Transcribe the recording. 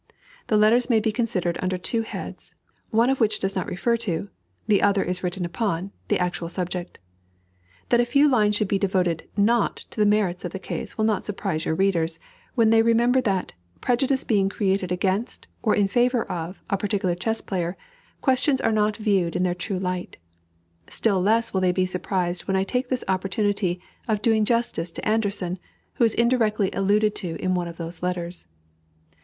The letters may be considered under two heads, one of which does not refer to, the other is written upon, the actual subject. That a few lines should be devoted not to the merits of the case will not surprise your readers, when they remember that, prejudice being created against, or in favor of, a particular chess player, questions are not viewed in their true light; still less will they be surprised when I take this opportunity of doing justice to Anderssen, who is indirectly alluded to in one of the letters.